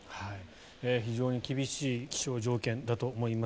非常に厳しい気象条件だと思います。